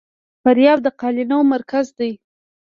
فاریاب د قالینو مرکز دی